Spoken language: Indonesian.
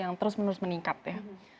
yang terus menerus meningkat ya